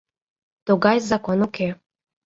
Тугай закон уке...